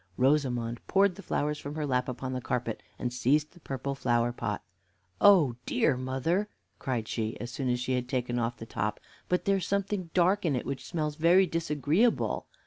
Rosamond poured the flowers from her lap upon the carpet, and seized the purple flower pot. "Oh, dear, mother!" cried she, as soon as she had taken off the top, "but there's something dark in it which smells very disagreeably.